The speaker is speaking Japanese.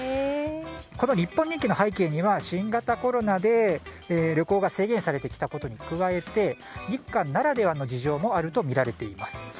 日本人気の背景には新型コロナで旅行が制限されてきたことに加えて日韓ならではの事情もあるとみられています。